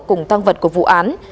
cùng tăng vật của vụ án